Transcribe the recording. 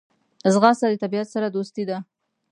ځغاسته د طبیعت سره دوستي ده